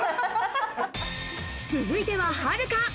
続いては、はるか。